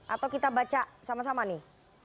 atau kita baca sama sama nih